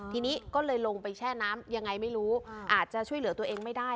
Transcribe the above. ทีนี้ก็เลยลงไปแช่น้ำยังไงไม่รู้อาจจะช่วยเหลือตัวเองไม่ได้